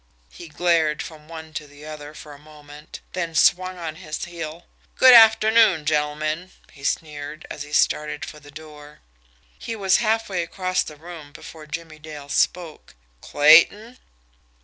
He glared from one to the other for a moment then swung on his heel. "Good afternoon, gentlemen," he sneered, as he started for the door. He was halfway across the room before Jimmie Dale spoke. "Clayton!"